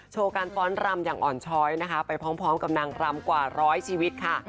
โชว์การฟ้อนรำอย่างอ่อนช้อยนะคะไปพร้อมกับนางรำกว่าร้อยชีวิตค่ะ